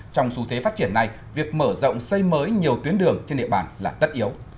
trong xu thế phát triển này việc mở rộng xây mới nhiều tuyến đường trên địa bàn là tất yếu